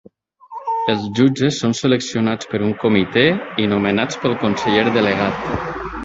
Els jutges són seleccionats per un comitè i nomenats pel conseller delegat.